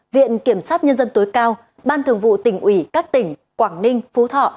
viện kiểm sát nhân dân tối cao ban thường vụ tỉnh ủy các tỉnh quảng ninh phú thọ